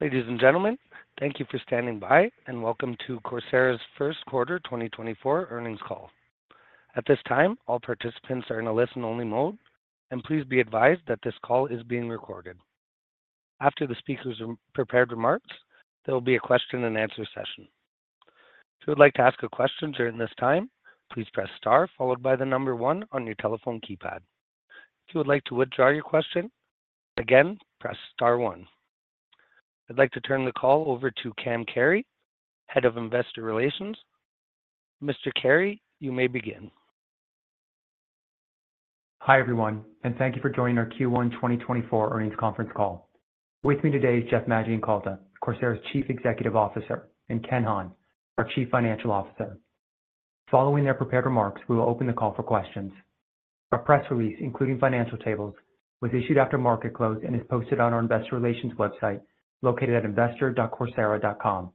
Ladies and gentlemen, thank you for standing by, and welcome to Coursera's First Quarter 2024 Earnings Call. At this time, all participants are in a listen-only mode, and please be advised that this call is being recorded. After the speakers' prepared remarks, there will be a question-and-answer session. If you would like to ask a question during this time, please press star followed by the number one on your telephone keypad. If you would like to withdraw your question, again, press star one. I'd like to turn the call over to Cam Carey, Head of Investor Relations. Mr. Carey, you may begin. Hi, everyone, and thank you for joining our Q1 2024 earnings conference call. With me today is Jeff Maggioncalda, Coursera's Chief Executive Officer, and Ken Hahn, our Chief Financial Officer. Following their prepared remarks, we will open the call for questions. Our press release, including financial tables, was issued after market close and is posted on our investor relations website, located at investor.coursera.com,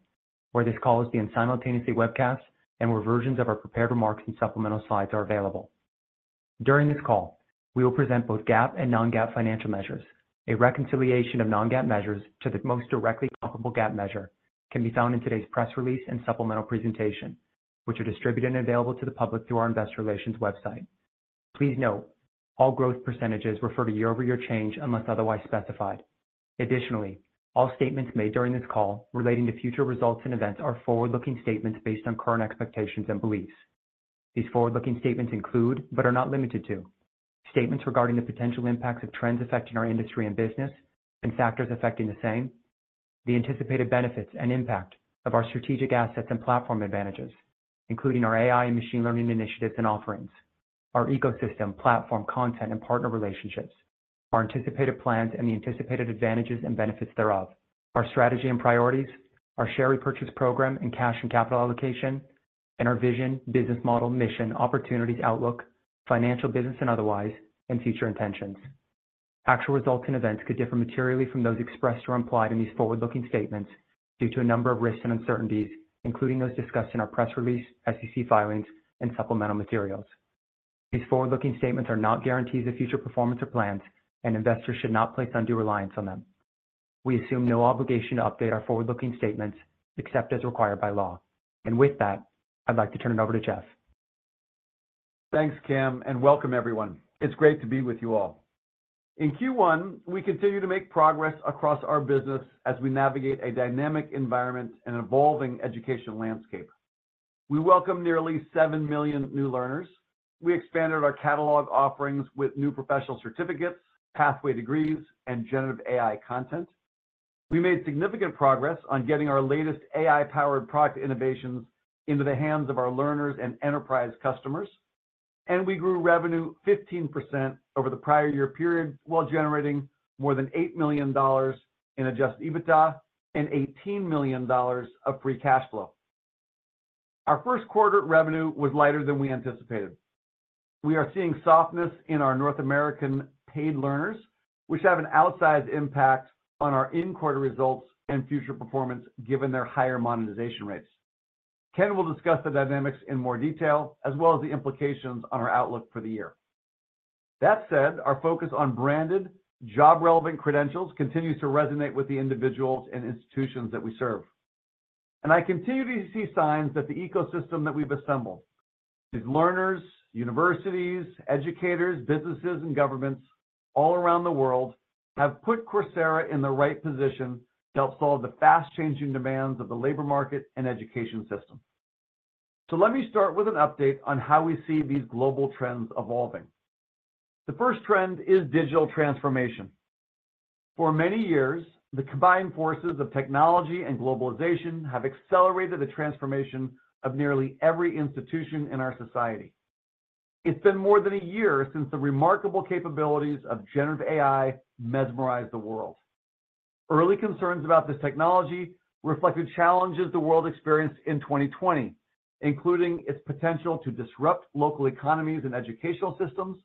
where this call is being simultaneously webcast and where versions of our prepared remarks and supplemental slides are available. During this call, we will present both GAAP and non-GAAP financial measures. A reconciliation of non-GAAP measures to the most directly comparable GAAP measure can be found in today's press release and supplemental presentation, which are distributed and available to the public through our investor relations website. Please note, all growth percentages refer to year-over-year change unless otherwise specified. Additionally, all statements made during this call relating to future results and events are forward-looking statements based on current expectations and beliefs. These forward-looking statements include, but are not limited to, statements regarding the potential impacts of trends affecting our industry and business and factors affecting the same, the anticipated benefits and impact of our strategic assets and platform advantages, including our AI and machine learning initiatives and offerings, our ecosystem, platform, content, and partner relationships, our anticipated plans and the anticipated advantages and benefits thereof, our strategy and priorities, our share repurchase program, and cash and capital allocation, and our vision, business model, mission, opportunities, outlook, financial, business, and otherwise, and future intentions. Actual results and events could differ materially from those expressed or implied in these forward-looking statements due to a number of risks and uncertainties, including those discussed in our press release, SEC filings, and supplemental materials. These forward-looking statements are not guarantees of future performance or plans, and investors should not place undue reliance on them. We assume no obligation to update our forward-looking statements except as required by law. With that, I'd like to turn it over to Jeff. Thanks, Cam, and welcome, everyone. It's great to be with you all. In Q1, we continued to make progress across our business as we navigate a dynamic environment and evolving education landscape. We welcomed nearly 7 million new learners. We expanded our catalog offerings with new professional certificates, pathway degrees, and generative AI content. We made significant progress on getting our latest AI-powered product innovations into the hands of our learners and enterprise customers. We grew revenue 15% over the prior year period, while generating more than $8 million in Adjusted EBITDA and $18 million of Free Cash Flow. Our first quarter revenue was lighter than we anticipated. We are seeing softness in our North American paid learners, which have an outsized impact on our in-quarter results and future performance, given their higher monetization rates. Ken will discuss the dynamics in more detail, as well as the implications on our outlook for the year. That said, our focus on branded, job-relevant credentials continues to resonate with the individuals and institutions that we serve. I continue to see signs that the ecosystem that we've assembled, with learners, universities, educators, businesses, and governments all around the world, have put Coursera in the right position to help solve the fast-changing demands of the labor market and education system. Let me start with an update on how we see these global trends evolving. The first trend is digital transformation. For many years, the combined forces of technology and globalization have accelerated the transformation of nearly every institution in our society. It's been more than a year since the remarkable capabilities of generative AI mesmerized the world. Early concerns about this technology reflected challenges the world experienced in 2020, including its potential to disrupt local economies and educational systems,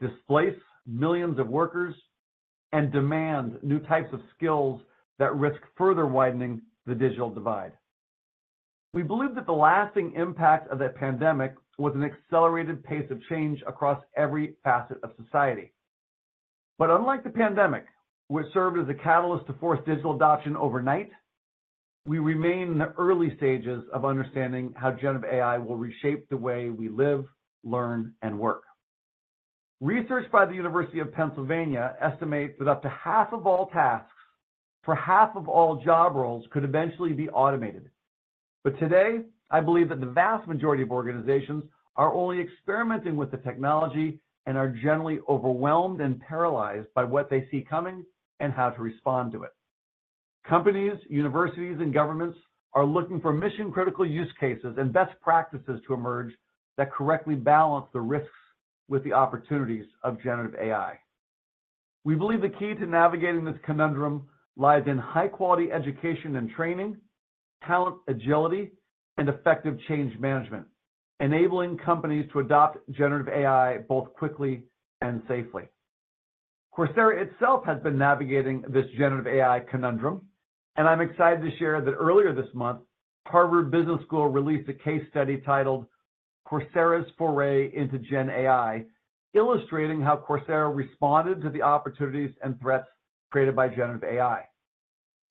displace millions of workers, and demand new types of skills that risk further widening the digital divide. We believe that the lasting impact of that pandemic was an accelerated pace of change across every facet of society. But unlike the pandemic, which served as a catalyst to force digital adoption overnight, we remain in the early stages of understanding how generative AI will reshape the way we live, learn, and work. Research by the University of Pennsylvania estimates that up to half of all tasks for half of all job roles could eventually be automated. But today, I believe that the vast majority of organizations are only experimenting with the technology and are generally overwhelmed and paralyzed by what they see coming and how to respond to it. Companies, universities, and governments are looking for mission-critical use cases and best practices to emerge that correctly balance the risks with the opportunities of generative AI. We believe the key to navigating this conundrum lies in high-quality education and training, talent agility, and effective change management, enabling companies to adopt generative AI both quickly and safely. Coursera itself has been navigating this generative AI conundrum, and I'm excited to share that earlier this month, Harvard Business School released a case study titled "Coursera's Foray into GenAI," illustrating how Coursera responded to the opportunities and threats created by generative AI.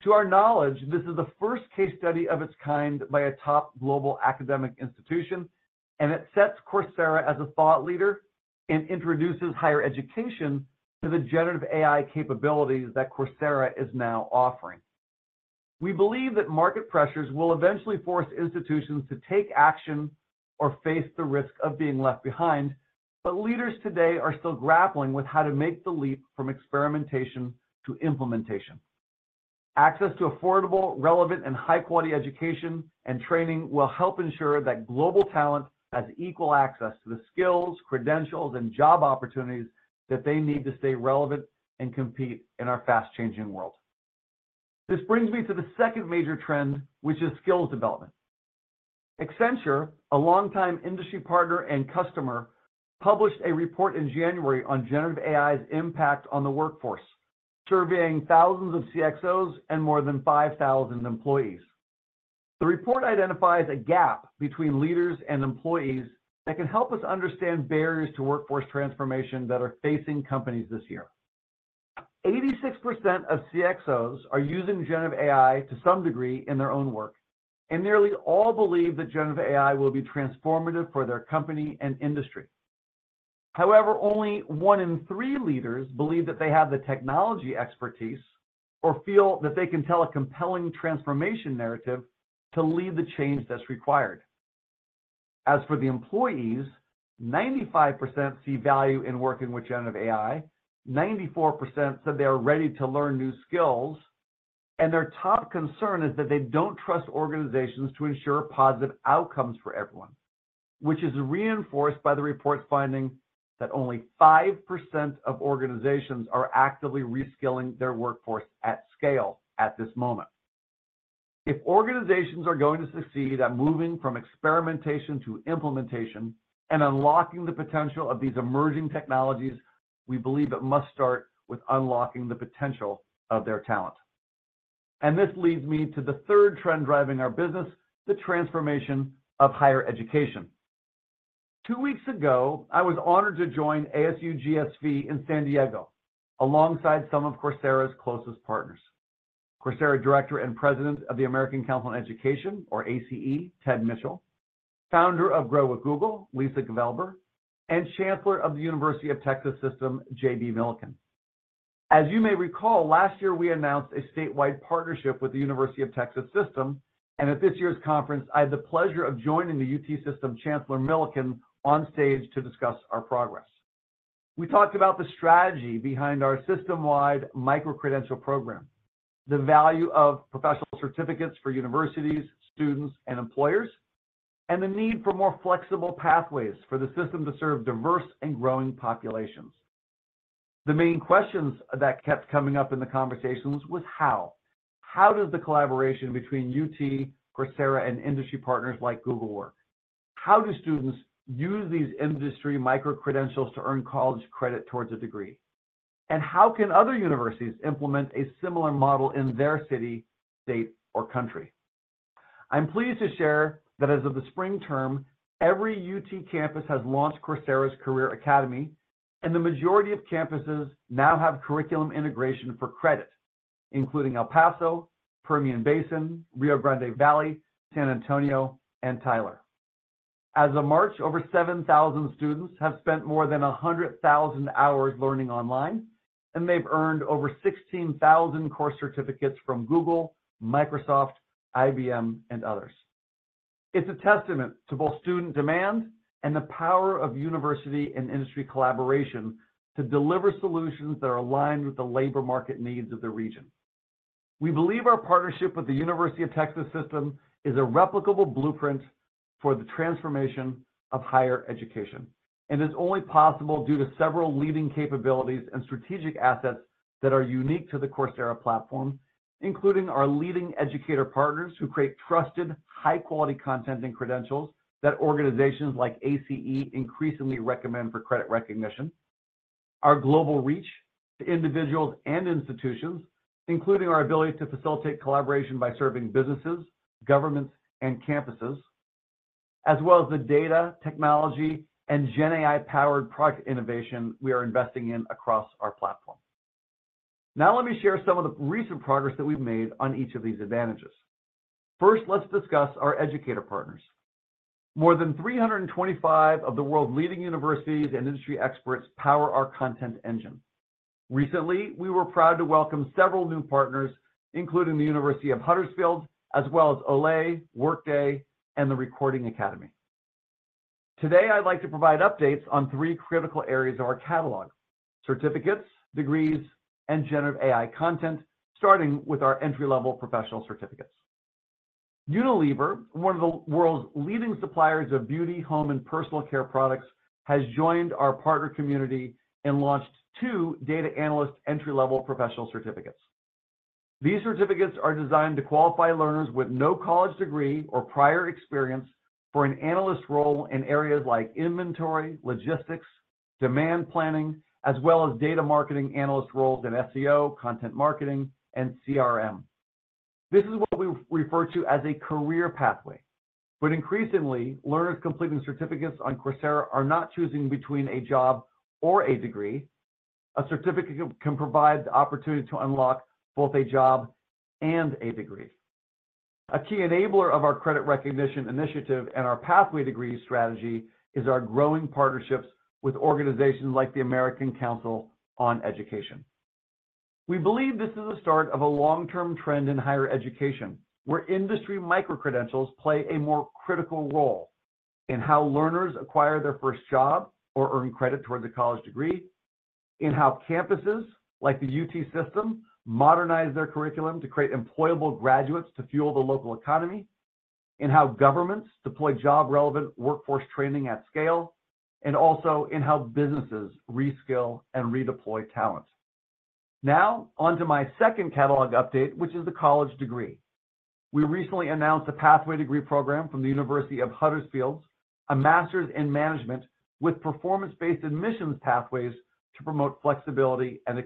To our knowledge, this is the first case study of its kind by a top global academic institution, and it sets Coursera as a thought leader and introduces higher education to the generative AI capabilities that Coursera is now offering. We believe that market pressures will eventually force institutions to take action or face the risk of being left behind, but leaders today are still grappling with how to make the leap from experimentation to implementation. Access to affordable, relevant, and high-quality education and training will help ensure that global talent has equal access to the skills, credentials, and job opportunities that they need to stay relevant and compete in our fast-changing world. This brings me to the second major trend, which is skills development. Accenture, a longtime industry partner and customer, published a report in January on generative AI's impact on the workforce, surveying thousands of CXOs and more than 5,000 employees. The report identifies a gap between leaders and employees that can help us understand barriers to workforce transformation that are facing companies this year. 86% of CXOs are using generative AI to some degree in their own work, and nearly all believe that generative AI will be transformative for their company and industry. However, only one in three leaders believe that they have the technology expertise or feel that they can tell a compelling transformation narrative to lead the change that's required. As for the employees, 95% see value in working with generative AI, 94% said they are ready to learn new skills, and their top concern is that they don't trust organizations to ensure positive outcomes for everyone, which is reinforced by the report's finding that only 5% of organizations are actively reskilling their workforce at scale at this moment. If organizations are going to succeed at moving from experimentation to implementation and unlocking the potential of these emerging technologies, we believe it must start with unlocking the potential of their talent. This leads me to the third trend driving our business, the transformation of higher education. Two weeks ago, I was honored to join ASU+GSV in San Diego, alongside some of Coursera's closest partners. Coursera board member and President of the American Council on Education, or ACE, Ted Mitchell, Founder of Grow with Google, Lisa Gevelber, and Chancellor of the University of Texas System, JB Milliken. As you may recall, last year we announced a statewide partnership with the University of Texas System, and at this year's conference, I had the pleasure of joining the UT System Chancellor Milliken on stage to discuss our progress. We talked about the strategy behind our system-wide microcredential program, the value of professional certificates for universities, students, and employers, and the need for more flexible pathways for the system to serve diverse and growing populations. The main questions that kept coming up in the conversations was how? How does the collaboration between UT, Coursera, and industry partners like Google work? How do students use these industry microcredentials to earn college credit towards a degree? How can other universities implement a similar model in their city, state, or country? I'm pleased to share that as of the spring term, every UT campus has launched Coursera's Career Academy, and the majority of campuses now have curriculum integration for credit, including El Paso, Permian Basin, Rio Grande Valley, San Antonio, and Tyler. As of March, over 7,000 students have spent more than 100,000 hours learning online, and they've earned over 16,000 course certificates from Google, Microsoft, IBM, and others. It's a testament to both student demand and the power of university and industry collaboration to deliver solutions that are aligned with the labor market needs of the region. We believe our partnership with the University of Texas System is a replicable blueprint for the transformation of higher education and is only possible due to several leading capabilities and strategic assets that are unique to the Coursera platform, including our leading educator partners, who create trusted, high-quality content and credentials that organizations like ACE increasingly recommend for credit recognition. Our global reach to individuals and institutions, including our ability to facilitate collaboration by serving businesses, governments, and campuses, as well as the data technology and GenAI-powered product innovation we are investing in across our platform. Now, let me share some of the recent progress that we've made on each of these advantages. First, let's discuss our educator partners. More than 325 of the world's leading universities and industry experts power our content engine. Recently, we were proud to welcome several new partners, including the University of Huddersfield, as well as Olay, Workday, and the Recording Academy. Today, I'd like to provide updates on three critical areas of our catalog: certificates, degrees, and generative AI content, starting with our entry-level professional certificates. Unilever, one of the world's leading suppliers of beauty, home, and personal care products, has joined our partner community and launched two data analyst entry-level professional certificates. These certificates are designed to qualify learners with no college degree or prior experience for an analyst role in areas like inventory, logistics, demand planning, as well as data marketing analyst roles in SEO, content marketing, and CRM. This is what we refer to as a career pathway. But increasingly, learners completing certificates on Coursera are not choosing between a job or a degree. A certificate can provide the opportunity to unlock both a job and a degree. A key enabler of our credit recognition initiative and our pathway degree strategy is our growing partnerships with organizations like the American Council on Education. We believe this is the start of a long-term trend in higher education, where industry micro-credentials play a more critical role in how learners acquire their first job or earn credit towards a college degree, in how campuses like the UT System modernize their curriculum to create employable graduates to fuel the local economy, in how governments deploy job-relevant workforce training at scale, and also in how businesses reskill and redeploy talent. Now, onto my second catalog update, which is the college degree. We recently announced a pathway degree program from the University of Huddersfield, a master's in management with performance-based admissions pathways to promote flexibility and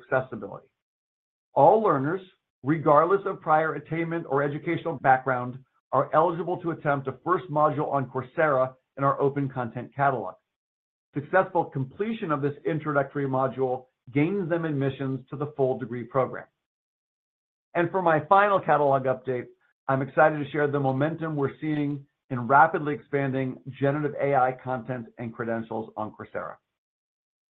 accessibility. All learners, regardless of prior attainment or educational background, are eligible to attempt a first module on Coursera in our open content catalog. Successful completion of this introductory module gains them admissions to the full degree program. For my final catalog update, I'm excited to share the momentum we're seeing in rapidly expanding generative AI content and credentials on Coursera.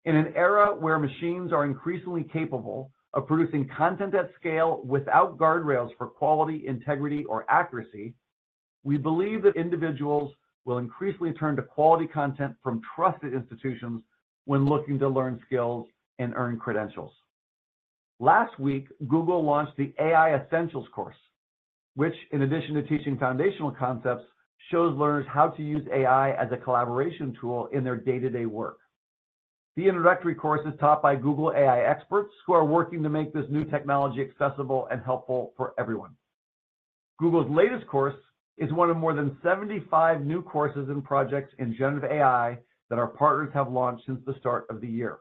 In an era where machines are increasingly capable of producing content at scale without guardrails for quality, integrity, or accuracy, we believe that individuals will increasingly turn to quality content from trusted institutions when looking to learn skills and earn credentials. Last week, Google launched the AI Essentials course, which, in addition to teaching foundational concepts, shows learners how to use AI as a collaboration tool in their day-to-day work. The introductory course is taught by Google AI experts who are working to make this new technology accessible and helpful for everyone. Google's latest course is one of more than 75 new courses and projects in generative AI that our partners have launched since the start of the year.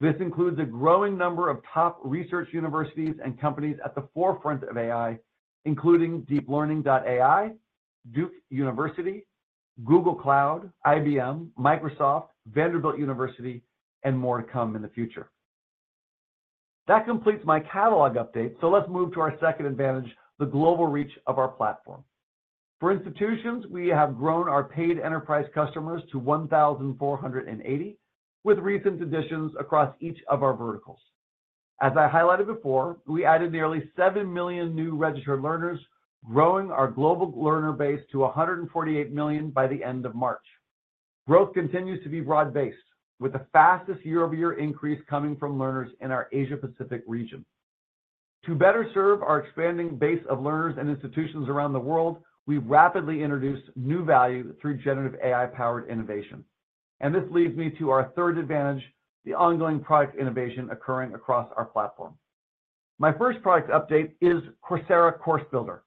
This includes a growing number of top research universities and companies at the forefront of AI, including DeepLearning.AI, Duke University, Google Cloud, IBM, Microsoft, Vanderbilt University, and more to come in the future. That completes my catalog update, so let's move to our second advantage, the global reach of our platform. For institutions, we have grown our paid enterprise customers to 1,480, with recent additions across each of our verticals. As I highlighted before, we added nearly 7 million new registered learners, growing our global learner base to 148 million by the end of March. Growth continues to be broad-based, with the fastest year-over-year increase coming from learners in our Asia Pacific region. To better serve our expanding base of learners and institutions around the world, we've rapidly introduced new value through generative AI-powered innovation. And this leads me to our third advantage, the ongoing product innovation occurring across our platform. My first product update is Coursera Course Builder.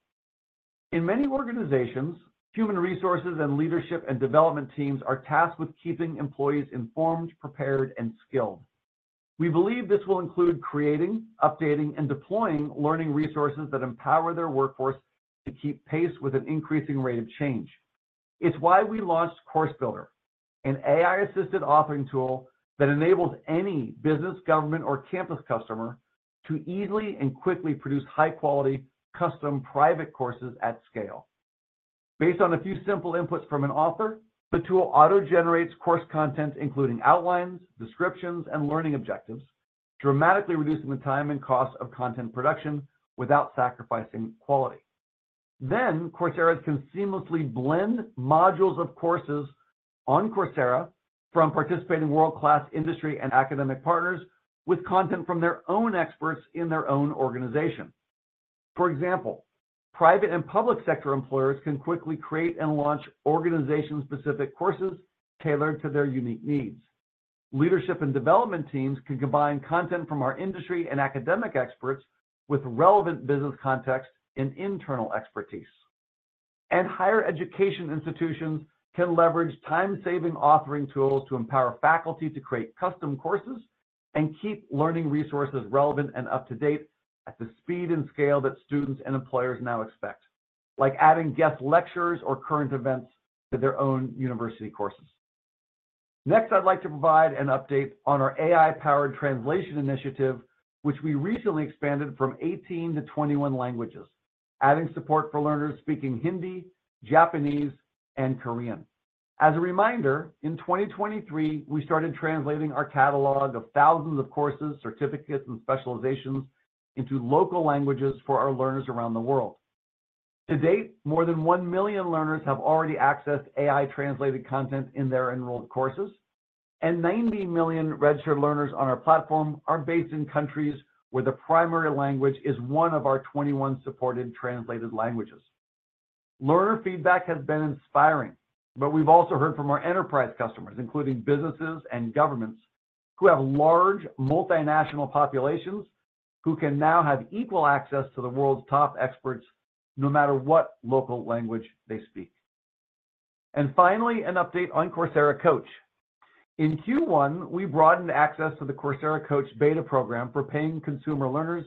In many organizations, human resources and leadership and development teams are tasked with keeping employees informed, prepared, and skilled. We believe this will include creating, updating, and deploying learning resources that empower their workforce to keep pace with an increasing rate of change. It's why we launched Course Builder, an AI-assisted authoring tool that enables any business, government, or campus customer to easily and quickly produce high-quality, custom private courses at scale. Based on a few simple inputs from an author, the tool auto-generates course content, including outlines, descriptions, and learning objectives, dramatically reducing the time and cost of content production without sacrificing quality. Then, Coursera can seamlessly blend modules of courses on Coursera from participating world-class industry and academic partners with content from their own experts in their own organization. For example, private and public sector employers can quickly create and launch organization-specific courses tailored to their unique needs. Leadership and development teams can combine content from our industry and academic experts with relevant business context and internal expertise. Higher education institutions can leverage time-saving authoring tools to empower faculty to create custom courses and keep learning resources relevant and up-to-date at the speed and scale that students and employers now expect, like adding guest lectures or current events to their own university courses. Next, I'd like to provide an update on our AI-powered translation initiative, which we recently expanded from 18 to 21 languages, adding support for learners speaking Hindi, Japanese, and Korean. As a reminder, in 2023, we started translating our catalog of thousands of courses, certificates, and specializations into local languages for our learners around the world. To date, more than 1 million learners have already accessed AI-translated content in their enrolled courses, and 90 million registered learners on our platform are based in countries where the primary language is one of our 21 supported translated languages. Learner feedback has been inspiring, but we've also heard from our enterprise customers, including businesses and governments, who have large multinational populations, who can now have equal access to the world's top experts no matter what local language they speak. And finally, an update on Coursera Coach. In Q1, we broadened access to the Coursera Coach beta program for paying consumer learners,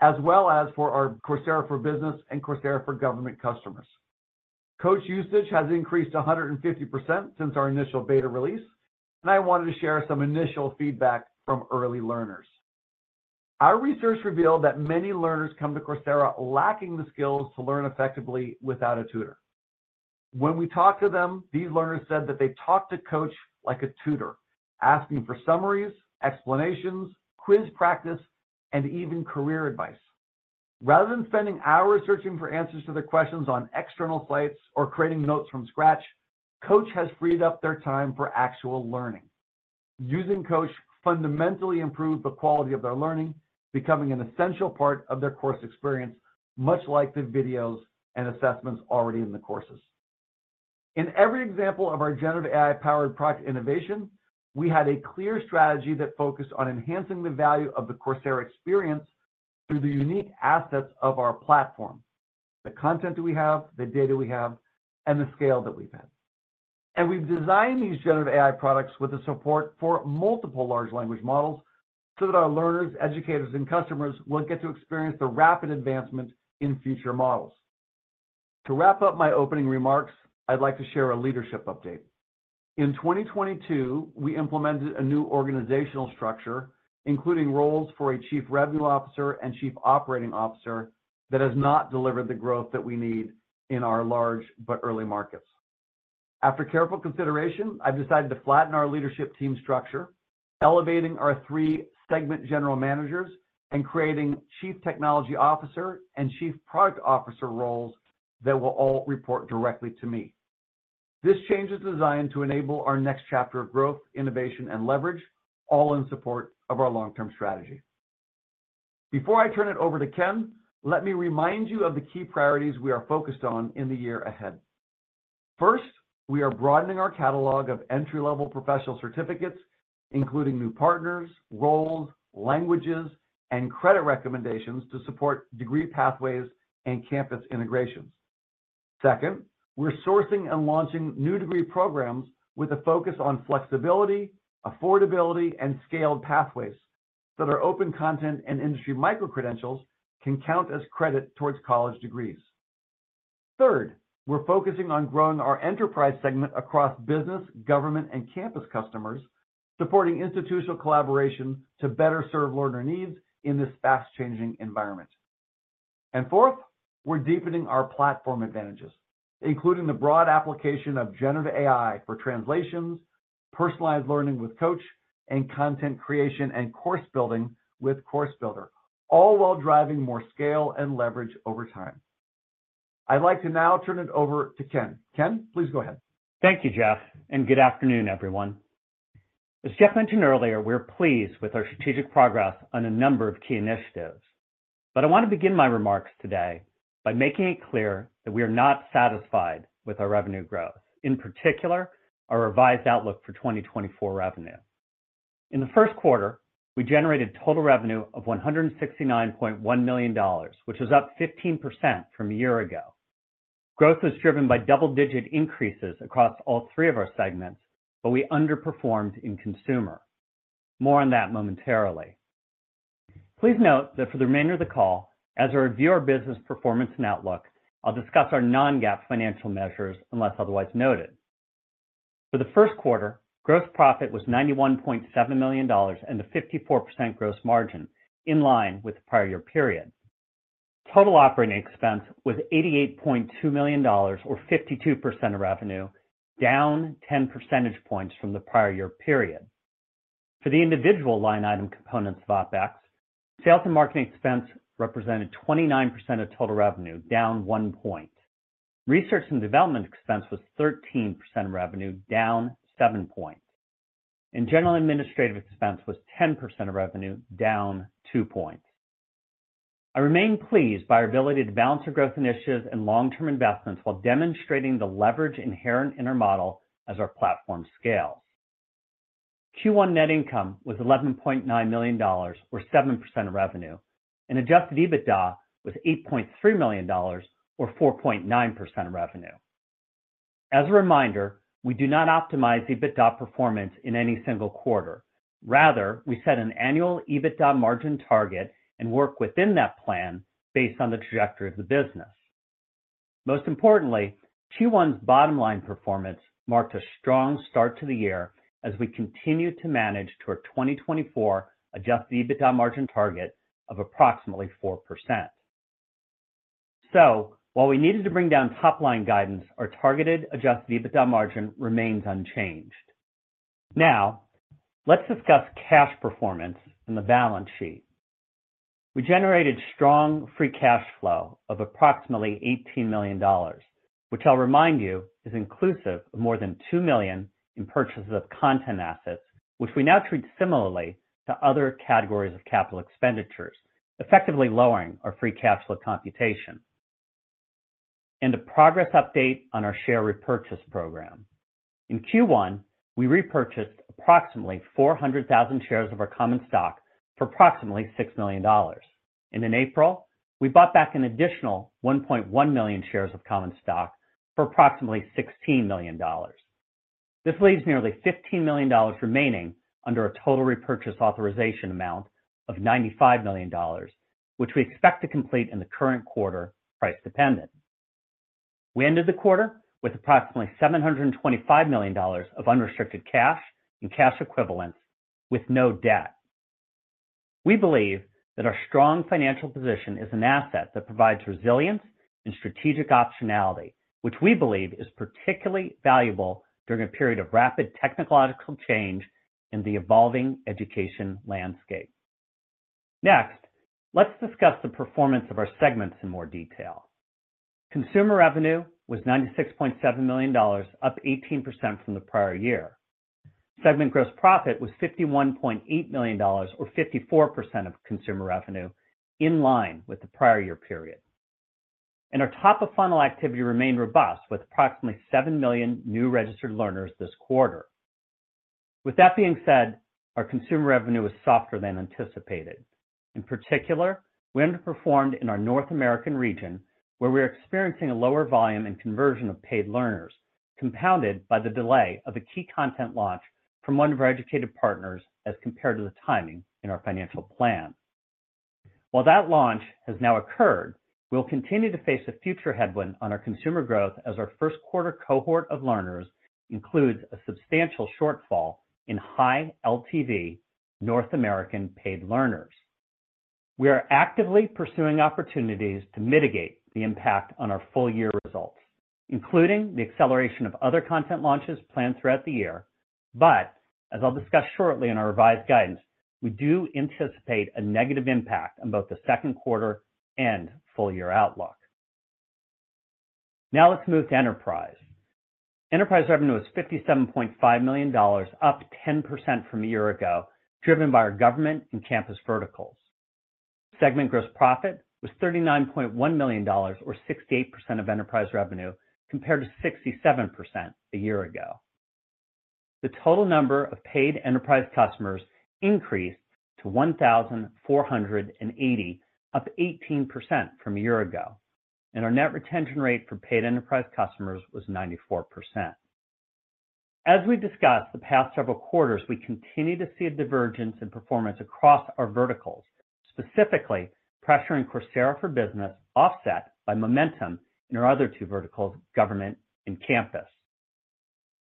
as well as for our Coursera for Business and Coursera for Government customers. Coach usage has increased 150% since our initial beta release, and I wanted to share some initial feedback from early learners. Our research revealed that many learners come to Coursera lacking the skills to learn effectively without a tutor. When we talked to them, these learners said that they talked to Coach like a tutor, asking for summaries, explanations, quiz practice, and even career advice. Rather than spending hours searching for answers to their questions on external sites or creating notes from scratch, Coach has freed up their time for actual learning. Using Coach fundamentally improved the quality of their learning, becoming an essential part of their course experience, much like the videos and assessments already in the courses. In every example of our generative AI-powered product innovation, we had a clear strategy that focused on enhancing the value of the Coursera experience through the unique assets of our platform. The content that we have, the data we have, and the scale that we've had. And we've designed these generative AI products with the support for multiple large language models, so that our learners, educators, and customers will get to experience the rapid advancement in future models. To wrap up my opening remarks, I'd like to share a leadership update. In 2022, we implemented a new organizational structure, including roles for a Chief Revenue Officer and Chief Operating Officer, that has not delivered the growth that we need in our large but early markets. After careful consideration, I've decided to flatten our leadership team structure, elevating our three segment general managers and creating Chief Technology Officer and Chief Product Officer roles that will all report directly to me. This change is designed to enable our next chapter of growth, innovation, and leverage, all in support of our long-term strategy. Before I turn it over to Ken, let me remind you of the key priorities we are focused on in the year ahead. First, we are broadening our catalog of entry-level professional certificates, including new partners, roles, languages, and credit recommendations to support degree pathways and campus integrations. Second, we're sourcing and launching new degree programs with a focus on flexibility, affordability, and scaled pathways that our open content and industry micro-credentials can count as credit towards college degrees. Third, we're focusing on growing our enterprise segment across business, government, and campus customers, supporting institutional collaboration to better serve learner needs in this fast-changing environment. And fourth, we're deepening our platform advantages, including the broad application of generative AI for translations, personalized learning with Coach, and content creation and course building with Course Builder, all while driving more scale and leverage over time. I'd like to now turn it over to Ken. Ken, please go ahead. Thank you, Jeff, and good afternoon, everyone. As Jeff mentioned earlier, we're pleased with our strategic progress on a number of key initiatives. But I want to begin my remarks today by making it clear that we are not satisfied with our revenue growth, in particular, our revised outlook for 2024 revenue. In the first quarter, we generated total revenue of $169.1 million, which is up 15% from a year ago. Growth was driven by double-digit increases across all three of our segments, but we underperformed in consumer. More on that momentarily. Please note that for the remainder of the call, as I review our business performance and outlook, I'll discuss our non-GAAP financial measures, unless otherwise noted. For the first quarter, gross profit was $91.7 million and a 54% gross margin, in line with the prior year period. Total operating expense was $88.2 million, or 52% of revenue, down 10 percentage points from the prior year period. For the individual line item components of OpEx, sales and marketing expense represented 29% of total revenue, down 1 point. Research and development expense was 13% of revenue, down 7 points, and general administrative expense was 10% of revenue, down 2 points. I remain pleased by our ability to balance our growth initiatives and long-term investments while demonstrating the leverage inherent in our model as our platform scales. Q1 net income was $11.9 million, or 7% of revenue, and adjusted EBITDA was $8.3 million, or 4.9% of revenue. As a reminder, we do not optimize EBITDA performance in any single quarter. Rather, we set an annual EBITDA margin target and work within that plan based on the trajectory of the business. Most importantly, Q1's bottom-line performance marked a strong start to the year as we continued to manage to our 2024 adjusted EBITDA margin target of approximately 4%. So while we needed to bring down top-line guidance, our targeted adjusted EBITDA margin remains unchanged. Now, let's discuss cash performance and the balance sheet. We generated strong free cash flow of approximately $18 million, which I'll remind you, is inclusive of more than $2 million in purchases of content assets, which we now treat similarly to other categories of capital expenditures, effectively lowering our free cash flow computation. A progress update on our share repurchase program. In Q1, we repurchased approximately 400,000 shares of our common stock for approximately $6 million. In April, we bought back an additional 1.1 million shares of common stock for approximately $16 million. This leaves nearly $15 million remaining under a total repurchase authorization amount of $95 million, which we expect to complete in the current quarter, price dependent. We ended the quarter with approximately $725 million of unrestricted cash and cash equivalents, with no debt. We believe that our strong financial position is an asset that provides resilience and strategic optionality, which we believe is particularly valuable during a period of rapid technological change in the evolving education landscape. Next, let's discuss the performance of our segments in more detail. Consumer revenue was $96.7 million, up 18% from the prior year. Segment gross profit was $51.8 million, or 54% of consumer revenue, in line with the prior year period. Our top-of-funnel activity remained robust, with approximately 7 million new registered learners this quarter. With that being said, our consumer revenue was softer than anticipated. In particular, we underperformed in our North American region, where we are experiencing a lower volume and conversion of paid learners, compounded by the delay of a key content launch from one of our education partners as compared to the timing in our financial plan. While that launch has now occurred, we'll continue to face a future headwind on our consumer growth as our first quarter cohort of learners includes a substantial shortfall in high LTV North American paid learners. We are actively pursuing opportunities to mitigate the impact on our full year results, including the acceleration of other content launches planned throughout the year. But as I'll discuss shortly in our revised guidance, we do anticipate a negative impact on both the second quarter and full year outlook. Now let's move to enterprise. Enterprise revenue is $57.5 million, up 10% from a year ago, driven by our government and campus verticals. Segment gross profit was $39.1 million, or 68% of enterprise revenue, compared to 67% a year ago. The total number of paid enterprise customers increased to 1,480, up 18% from a year ago, and our net retention rate for paid enterprise customers was 94%. As we've discussed the past several quarters, we continue to see a divergence in performance across our verticals, specifically pressuring Coursera for Business, offset by momentum in our other two verticals, government and campus.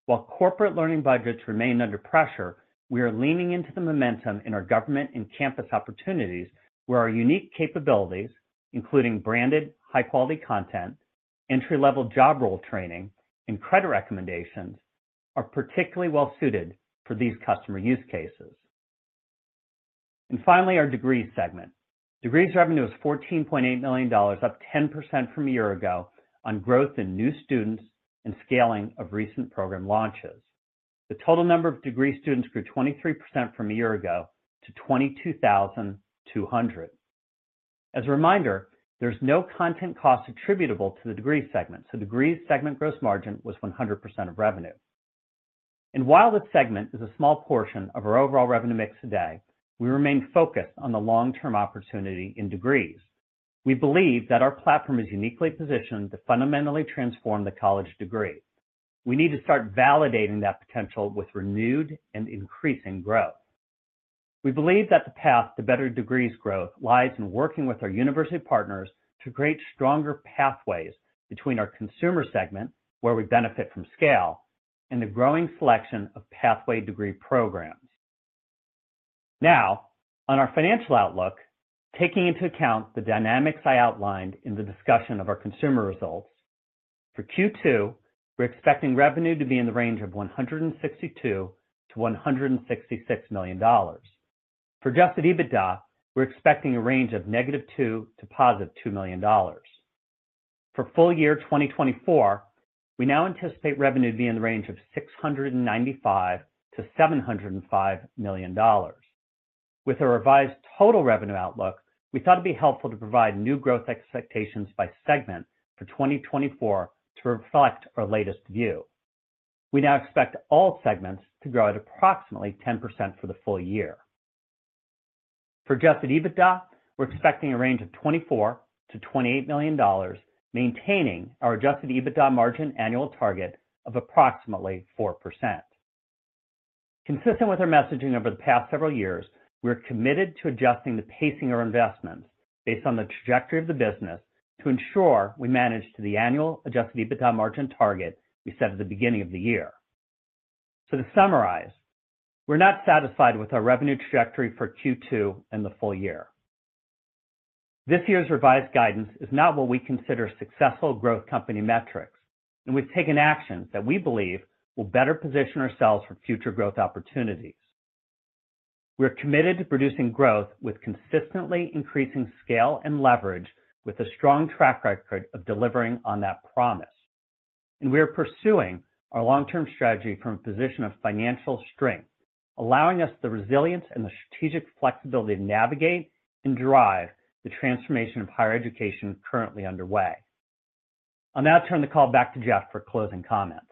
While corporate learning budgets remain under pressure, we are leaning into the momentum in our government and campus opportunities, where our unique capabilities, including branded, high-quality content, entry-level job role training, and credit recommendations, are particularly well suited for these customer use cases. And finally, our degrees segment. Degrees revenue is $14.8 million, up 10% from a year ago on growth in new students and scaling of recent program launches. The total number of degree students grew 23% from a year ago to 22,200. As a reminder, there's no content costs attributable to the degree segment, so degrees segment gross margin was 100% of revenue. While this segment is a small portion of our overall revenue mix today, we remain focused on the long-term opportunity in degrees. We believe that our platform is uniquely positioned to fundamentally transform the college degree. We need to start validating that potential with renewed and increasing growth. We believe that the path to better degrees growth lies in working with our university partners to create stronger pathways between our consumer segment, where we benefit from scale, and the growing selection of pathway degree programs. Now, on our financial outlook, taking into account the dynamics I outlined in the discussion of our consumer results, for Q2, we're expecting revenue to be in the range of $162 million-$166 million. For Adjusted EBITDA, we're expecting a range of -$2 million-$2 million. For full year 2024, we now anticipate revenue to be in the range of $695 million-$705 million. With a revised total revenue outlook, we thought it'd be helpful to provide new growth expectations by segment for 2024 to reflect our latest view. We now expect all segments to grow at approximately 10% for the full year. For Adjusted EBITDA, we're expecting a range of $24 million-$28 million, maintaining our Adjusted EBITDA margin annual target of approximately 4%. Consistent with our messaging over the past several years, we're committed to adjusting the pacing of our investments based on the trajectory of the business to ensure we manage to the annual Adjusted EBITDA margin target we set at the beginning of the year. To summarize, we're not satisfied with our revenue trajectory for Q2 and the full year. This year's revised guidance is not what we consider successful growth company metrics, and we've taken actions that we believe will better position ourselves for future growth opportunities. We're committed to producing growth with consistently increasing scale and leverage, with a strong track record of delivering on that promise. We are pursuing our long-term strategy from a position of financial strength, allowing us the resilience and the strategic flexibility to navigate and drive the transformation of higher education currently underway. I'll now turn the call back to Jeff for closing comments.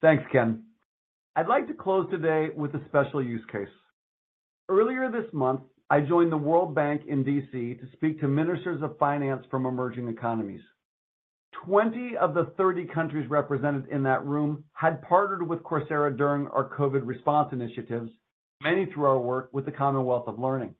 Thanks, Ken. I'd like to close today with a special use case. Earlier this month, I joined the World Bank in D.C. to speak to ministers of finance from emerging economies. 20 of the 30 countries represented in that room had partnered with Coursera during our COVID response initiatives, many through our work with the Commonwealth of Learning.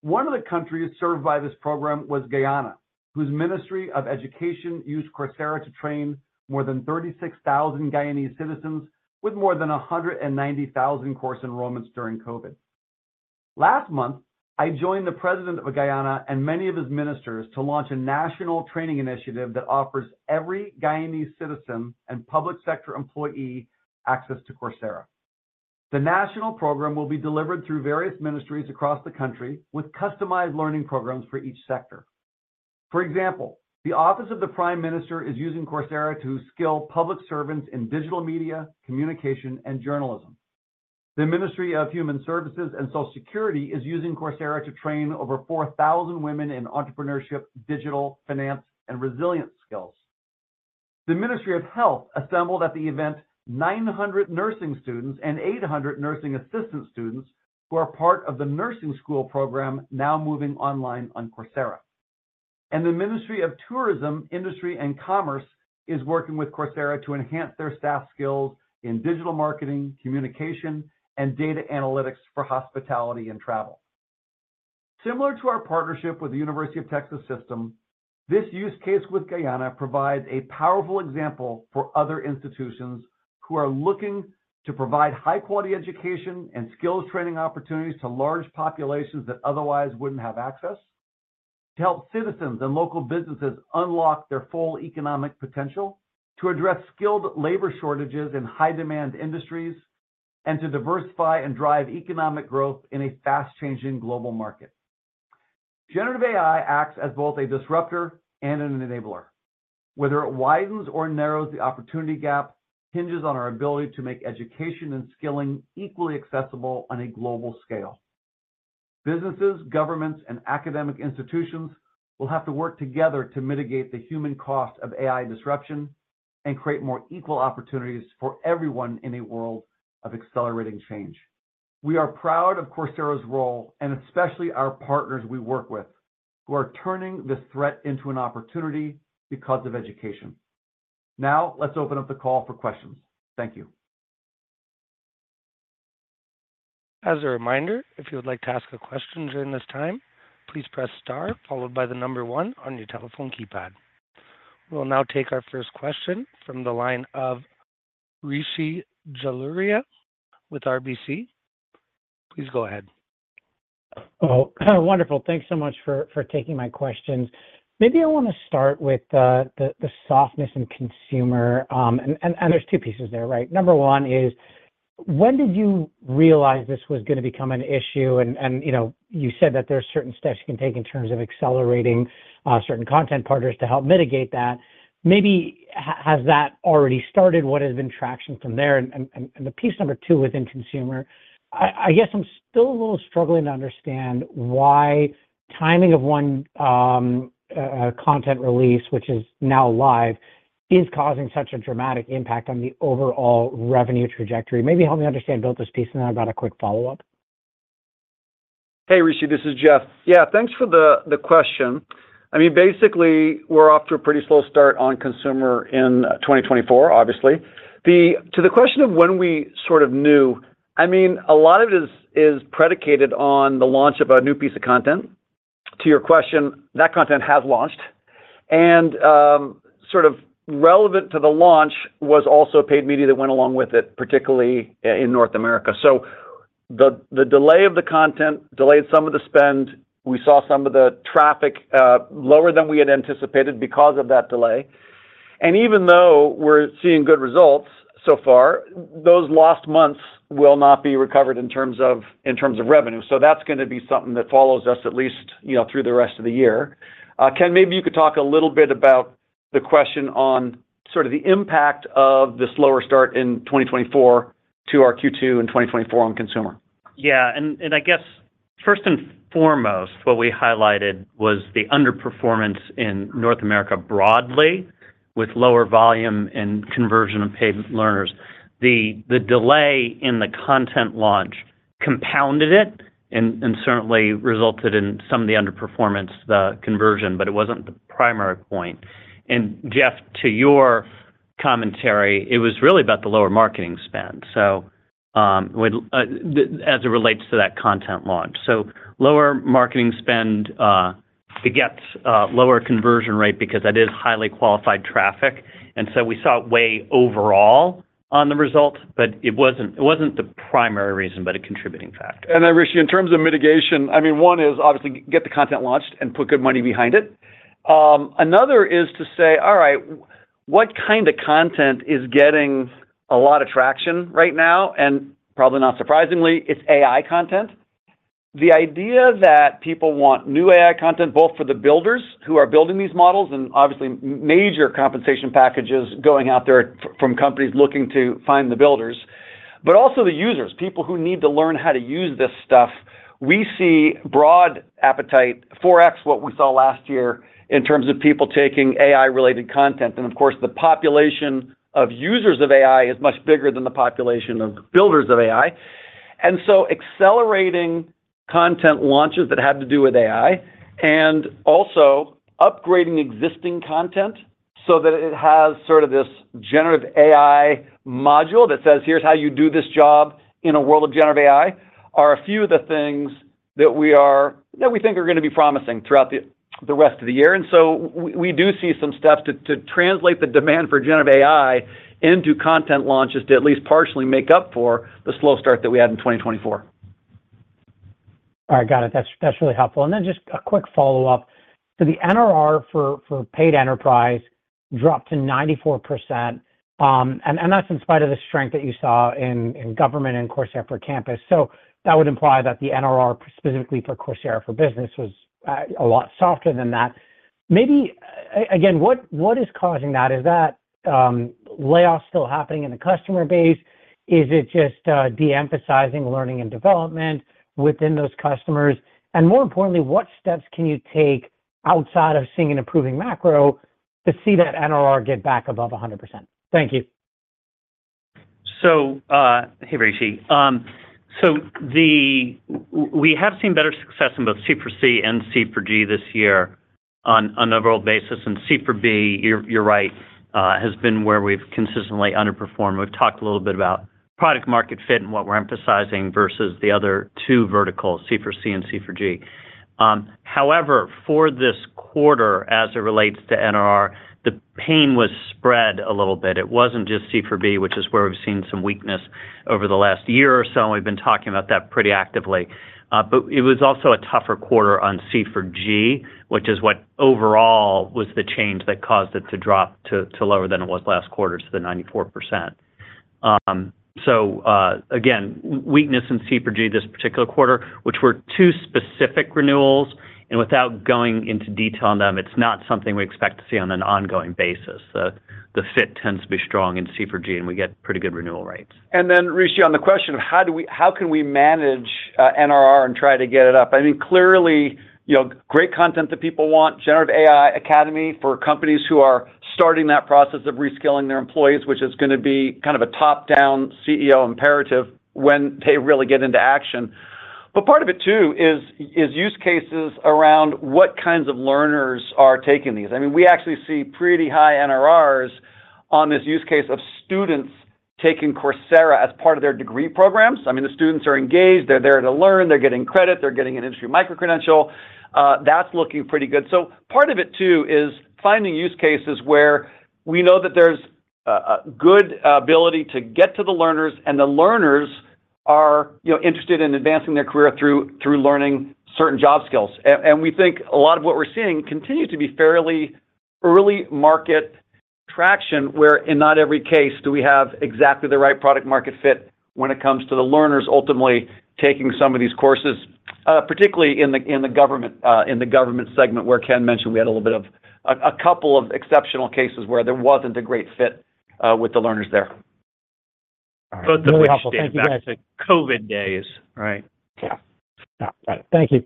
One of the countries served by this program was Guyana, whose Ministry of Education used Coursera to train more than 36,000 Guyanese citizens with more than 190,000 course enrollments during COVID. Last month, I joined the President of Guyana and many of his ministers to launch a national training initiative that offers every Guyanese citizen and public sector employee access to Coursera. The national program will be delivered through various ministries across the country, with customized learning programs for each sector. For example, the Office of the Prime Minister is using Coursera to skill public servants in digital media, communication, and journalism. The Ministry of Human Services and Social Security is using Coursera to train over 4,000 women in entrepreneurship, digital finance, and resilience skills. The Ministry of Health assembled at the event 900 nursing students and 800 nursing assistant students who are part of the nursing school program now moving online on Coursera. The Ministry of Tourism, Industry, and Commerce is working with Coursera to enhance their staff skills in digital marketing, communication, and data analytics for hospitality and travel. Similar to our partnership with the University of Texas System, this use case with Guyana provides a powerful example for other institutions who are looking to provide high-quality education and skills training opportunities to large populations that otherwise wouldn't have access, to help citizens and local businesses unlock their full economic potential, to address skilled labor shortages in high-demand industries, and to diversify and drive economic growth in a fast-changing global market. Generative AI acts as both a disruptor and an enabler. Whether it widens or narrows the opportunity gap hinges on our ability to make education and skilling equally accessible on a global scale. Businesses, governments, and academic institutions will have to work together to mitigate the human cost of AI disruption and create more equal opportunities for everyone in a world of accelerating change. We are proud of Coursera's role, and especially our partners we work with, who are turning this threat into an opportunity because of education. Now, let's open up the call for questions. Thank you. As a reminder, if you would like to ask a question during this time, please press star followed by the number one on your telephone keypad. We'll now take our first question from the line of Rishi Jaluria with RBC. Please go ahead. Oh, wonderful. Thanks so much for taking my questions. Maybe I wanna start with the softness in consumer. And there's two pieces there, right? Number one is, when did you realize this was gonna become an issue? And, you know, you said that there are certain steps you can take in terms of accelerating certain content partners to help mitigate that. Maybe has that already started? What has been traction from there? And the piece number two within consumer, I guess I'm still a little struggling to understand why timing of one a content release, which is now live, is causing such a dramatic impact on the overall revenue trajectory. Maybe help me understand both those pieces, and then I've got a quick follow-up. Hey, Rishi, this is Jeff. Yeah, thanks for the question. I mean, basically, we're off to a pretty slow start on consumer in 2024, obviously. To the question of when we sort of knew, I mean, a lot of it is predicated on the launch of a new piece of content. To your question, that content has launched, and sort of relevant to the launch was also paid media that went along with it, particularly in North America. So the delay of the content delayed some of the spend. We saw some of the traffic lower than we had anticipated because of that delay. And even though we're seeing good results so far, those lost months will not be recovered in terms of revenue. So that's gonna be something that follows us at least, you know, through the rest of the year. Ken, maybe you could talk a little bit about the question on sort of the impact of the slower start in 2024 to our Q2 in 2024 on consumer? Yeah, and I guess, first and foremost, what we highlighted was the underperformance in North America broadly, with lower volume and conversion of paid learners. The delay in the content launch compounded it and certainly resulted in some of the underperformance, the conversion, but it wasn't the primary point. And Jeff, to your commentary, it was really about the lower marketing spend as it relates to that content launch. Lower marketing spend begets a lower conversion rate because that is highly qualified traffic, and so we saw it weigh overall on the result, but it wasn't the primary reason, but a contributing factor. Then Rishi, in terms of mitigation, I mean, one is obviously get the content launched and put good money behind it. Another is to say, all right, what kind of content is getting a lot of traction right now? And probably not surprisingly, it's AI content. The idea that people want new AI content, both for the builders who are building these models, and obviously major compensation packages going out there from companies looking to find the builders, but also the users, people who need to learn how to use this stuff. We see broad appetite, 4x what we saw last year in terms of people taking AI-related content. And of course, the population of users of AI is much bigger than the population of builders of AI. Accelerating content launches that have to do with AI, and also upgrading existing content so that it has sort of this generative AI module that says, "Here's how you do this job in a world of generative AI," are a few of the things that we think are going to be promising throughout the rest of the year. We do see some steps to translate the demand for generative AI into content launches to at least partially make up for the slow start that we had in 2024. All right, got it. That's really helpful. Then just a quick follow-up. So the NRR for paid enterprise dropped to 94%, and that's in spite of the strength that you saw in government and Coursera for Campus. So that would imply that the NRR, specifically for Coursera for Business, was a lot softer than that. Maybe again, what is causing that? Is that layoffs still happening in the customer base? Is it just de-emphasizing learning and development within those customers? And more importantly, what steps can you take outside of seeing an improving macro to see that NRR get back above 100%? Thank you. So, hey, Rishi. So we have seen better success in both C for C and C for G this year on a overall basis. And C for B, you're right, has been where we've consistently underperformed. We've talked a little bit about product market fit and what we're emphasizing versus the other two verticals, C for C and C for G. However, for this quarter, as it relates to NRR, the pain was spread a little bit. It wasn't just C for B, which is where we've seen some weakness over the last year or so, and we've been talking about that pretty actively. But it was also a tougher quarter on C for G, which is what overall was the change that caused it to drop to lower than it was last quarter, so the 94%. So, again, weakness in C for G this particular quarter, which were two specific renewals, and without going into detail on them, it's not something we expect to see on an ongoing basis. The fit tends to be strong in C for G, and we get pretty good renewal rates. Then Rishi, on the question of how can we manage NRR and try to get it up? I mean, clearly, you know, great content that people want, Generative AI Academy, for companies who are starting that process of reskilling their employees, which is gonna be kind of a top-down CEO imperative when they really get into action. But part of it, too, is use cases around what kinds of learners are taking these. I mean, we actually see pretty high NRRs on this use case of students taking Coursera as part of their degree programs. I mean, the students are engaged, they're there to learn, they're getting credit, they're getting an industry microcredential. That's looking pretty good. So part of it, too, is finding use cases where we know that there's a good ability to get to the learners, and the learners are, you know, interested in advancing their career through learning certain job skills. And we think a lot of what we're seeing continues to be fairly early market traction, where in not every case do we have exactly the right product-market fit when it comes to the learners ultimately taking some of these courses, particularly in the government segment, where Ken mentioned we had a little bit of a couple of exceptional cases where there wasn't a great fit with the learners there. Both of which- Really helpful. Thank you, guys. ...back to COVID days, right? Yeah. Yeah. Got it. Thank you.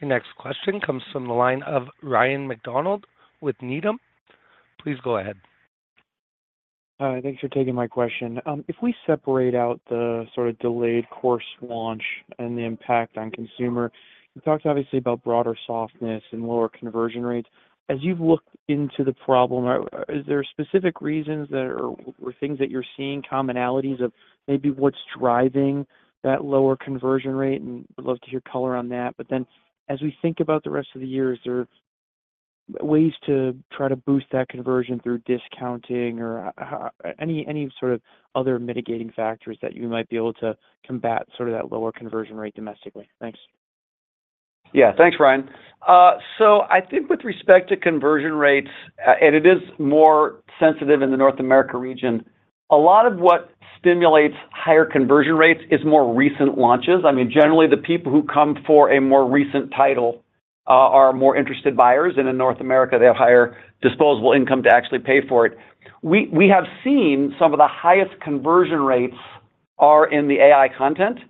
The next question comes from the line of Ryan MacDonald with Needham. Please go ahead. Hi, thanks for taking my question. If we separate out the sort of delayed course launch and the impact on consumer, you talked obviously about broader softness and lower conversion rates. As you've looked into the problem, is there specific reasons or things that you're seeing, commonalities of maybe what's driving that lower conversion rate? And I'd love to hear color on that. But then, as we think about the rest of the year, is there ways to try to boost that conversion through discounting or any sort of other mitigating factors that you might be able to combat sort of that lower conversion rate domestically? Thanks. Yeah. Thanks, Ryan. So I think with respect to conversion rates, and it is more sensitive in the North America region, a lot of what stimulates higher conversion rates is more recent launches. I mean, generally, the people who come for a more recent title are more interested buyers, and in North America, they have higher disposable income to actually pay for it. We have seen some of the highest conversion rates are in the AI content.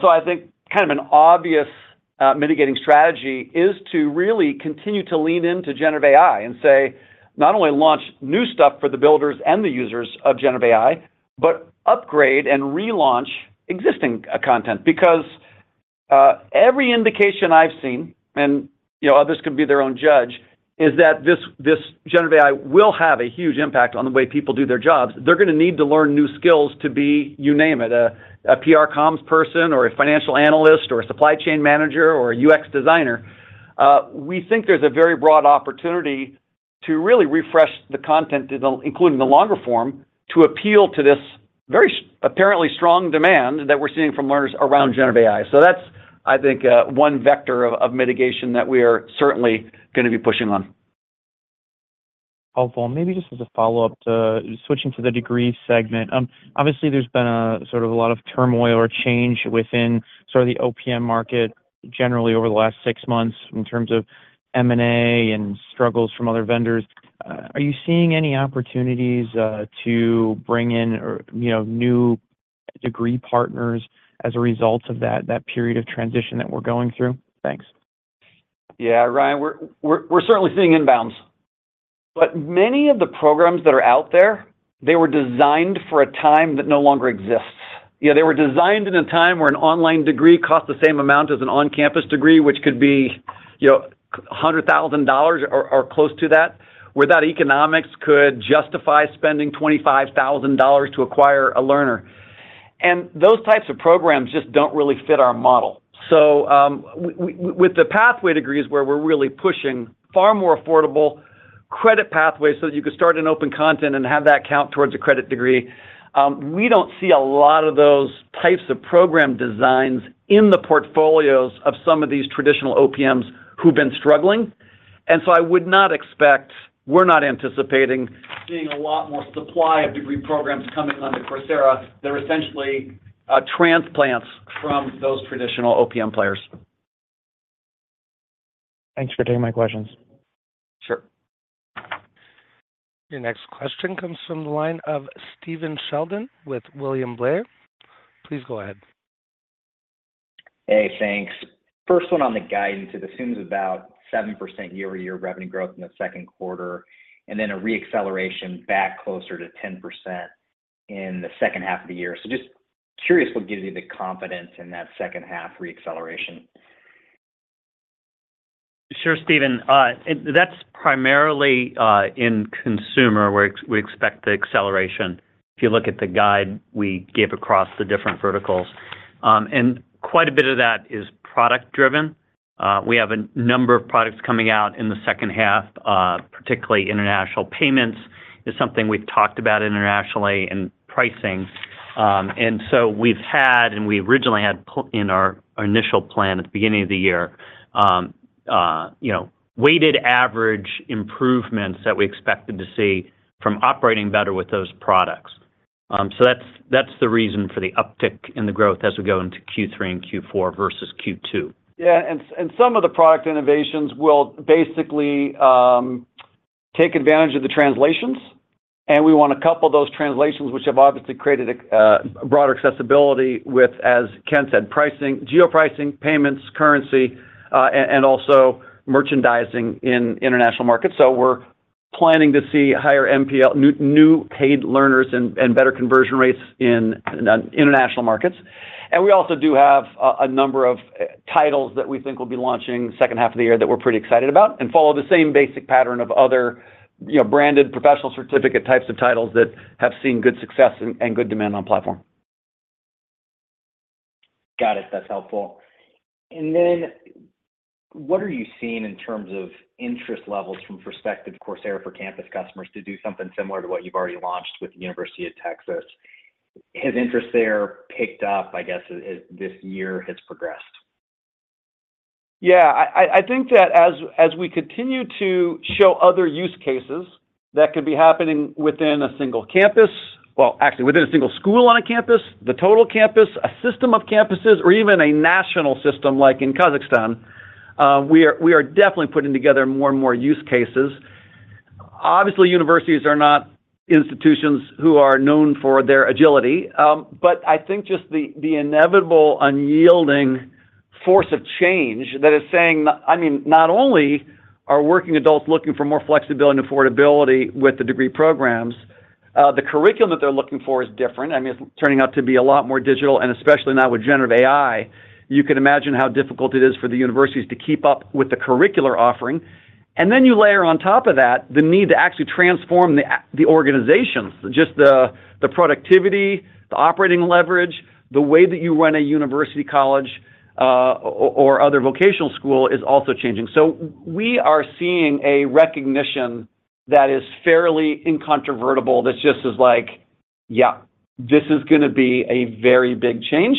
So I think kind of an obvious mitigating strategy is to really continue to lean into generative AI and say, not only launch new stuff for the builders and the users of generative AI, but upgrade and relaunch existing content. Because every indication I've seen, and, you know, others can be their own judge, is that this, this generative AI will have a huge impact on the way people do their jobs. They're gonna need to learn new skills to be, you name it, a, a PR comms person, or a financial analyst, or a supply chain manager, or a UX designer. We think there's a very broad opportunity to really refresh the content, including the longer form, to appeal to this very apparently strong demand that we're seeing from learners around generative AI. So that's, I think, one vector of, of mitigation that we are certainly gonna be pushing on. Helpful. Maybe just as a follow-up to switching to the degree segment. Obviously, there's been a sort of a lot of turmoil or change within sort of the OPM market generally over the last six months in terms of M&A and struggles from other vendors. Are you seeing any opportunities to bring in or, you know, new degree partners as a result of that, that period of transition that we're going through? Thanks. Yeah, Ryan, we're certainly seeing inbounds, but many of the programs that are out there, they were designed for a time that no longer exists. You know, they were designed in a time where an online degree cost the same amount as an on-campus degree, which could be, you know, $100,000 or close to that, where that economics could justify spending $25,000 to acquire a learner. And those types of programs just don't really fit our model. So with the pathway degrees is where we're really pushing far more affordable credit pathways, so you could start an open content and have that count towards a credit degree. We don't see a lot of those types of program designs in the portfolios of some of these traditional OPMs who've been struggling, and so I would not expect. We're not anticipating seeing a lot more supply of degree programs coming onto Coursera. They're essentially transplants from those traditional OPM players. Thanks for taking my questions. Sure. Your next question comes from the line of Stephen Sheldon with William Blair. Please go ahead. Hey, thanks. First one on the guidance, it assumes about 7% year-over-year revenue growth in the second quarter, and then a reacceleration back closer to 10% in the second half of the year. So just curious, what gives you the confidence in that second half reacceleration? Sure, Stephen. And that's primarily in consumer, where we expect the acceleration. If you look at the guide we gave across the different verticals. And quite a bit of that is product driven. We have a number of products coming out in the second half, particularly international payments, is something we've talked about internationally, and pricing. And so we've had, and we originally had in our initial plan at the beginning of the year, you know, weighted average improvements that we expected to see from operating better with those products. So that's the reason for the uptick in the growth as we go into Q3 and Q4 versus Q2. Yeah, and some of the product innovations will basically take advantage of the translations, and we wanna couple those translations, which have obviously created a broader accessibility with, as Ken said, pricing, geo-pricing, payments, currency, and also merchandising in international markets. So we're planning to see higher NPL, new paid learners and better conversion rates in international markets. And we also do have a number of titles that we think will be launching second half of the year that we're pretty excited about, and follow the same basic pattern of other, you know, branded professional certificate types of titles that have seen good success and good demand on platform. Got it. That's helpful. And then what are you seeing in terms of interest levels from prospective Coursera for Campus customers to do something similar to what you've already launched with the University of Texas? Has interest there picked up, I guess, as this year has progressed? Yeah, I think that as we continue to show other use cases that could be happening within a single campus, well, actually within a single school on a campus, the total campus, a system of campuses, or even a national system, like in Kazakhstan, we are definitely putting together more and more use cases. Obviously, universities are not institutions who are known for their agility, but I think just the inevitable, unyielding force of change that is saying, I mean, not only are working adults looking for more flexibility and affordability with the degree programs, the curriculum that they're looking for is different. I mean, it's turning out to be a lot more digital, and especially now with generative AI, you can imagine how difficult it is for the universities to keep up with the curricular offering. And then you layer on top of that, the need to actually transform the organizations, just the productivity, the operating leverage, the way that you run a university, college, or other vocational school is also changing. So we are seeing a recognition that is fairly incontrovertible, that just is like, "Yeah, this is gonna be a very big change.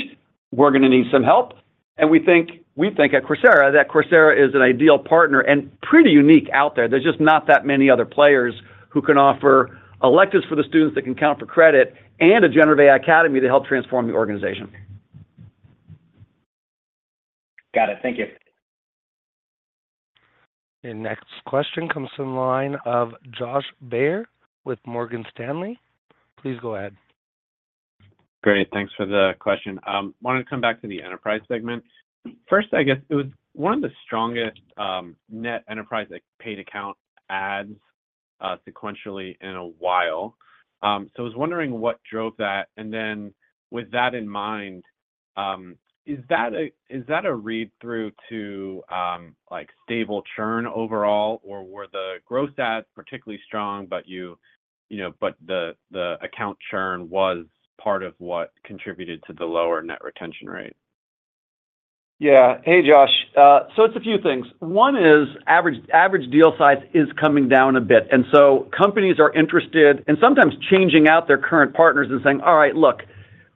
We're gonna need some help." And we think, we think at Coursera, that Coursera is an ideal partner and pretty unique out there. There's just not that many other players who can offer electives for the students that can count for credit and a Generative AI Academy to help transform the organization. Got it. Thank you. Next question comes from the line of Josh Baer with Morgan Stanley. Please go ahead. Great. Thanks for the question. Wanted to come back to the enterprise segment. First, I guess it was one of the strongest, net enterprise, like, paid account adds, sequentially in a while. So I was wondering what drove that, and then with that in mind, is that a, is that a read-through to, like, stable churn overall, or were the growth adds particularly strong, but you know, but the, the account churn was part of what contributed to the lower net retention rate? Yeah. Hey, Josh. So it's a few things. One is average deal size is coming down a bit, and so companies are interested and sometimes changing out their current partners and saying: "All right, look,